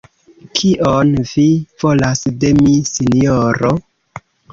Kion vi volas de mi, sinjoro?